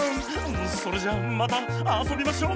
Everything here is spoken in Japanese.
それじゃまたあそびましょ。